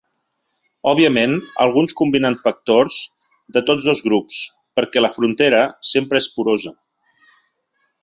Òbviament, alguns combinen factors de tots dos grups, perquè la frontera sempre és porosa.